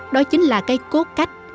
đó chính là cây cốt cách